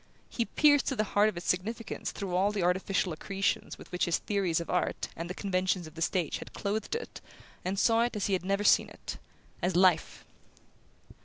He pierced to the heart of its significance through all the artificial accretions with which his theories of art and the conventions of the stage had clothed it, and saw it as he had never seen it: as life.